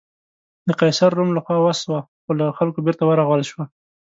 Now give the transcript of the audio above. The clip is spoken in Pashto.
د قیصر روم له خوا وسوه، خو له خلکو بېرته ورغول شوه.